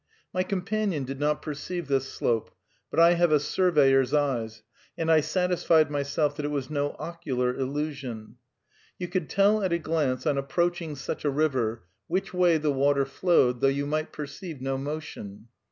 My companion did not perceive this slope, but I have a surveyor's eyes, and I satisfied myself that it was no ocular illusion. You could tell at a glance on approaching such a river which way the water flowed, though you might perceive no motion.